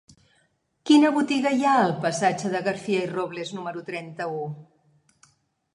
Quina botiga hi ha al passatge de Garcia i Robles número trenta-u?